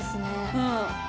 うん。